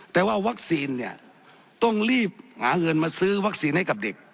แต่ว่าวัคซีนเนี่ยต้องรีบหาเงินมาซื้อวัคซีนให้กับเด็ก